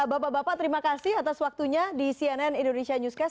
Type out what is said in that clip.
bapak bapak terima kasih atas waktunya di cnn indonesia newscast